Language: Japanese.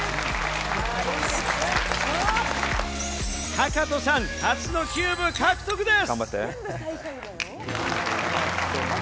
タカトさん、初のキューブ獲得です。